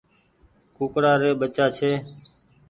ڪوڪڙآ ري ٻچآ ڇي۔